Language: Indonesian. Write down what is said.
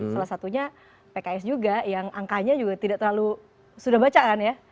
salah satunya pks juga yang angkanya juga tidak terlalu sudah baca kan ya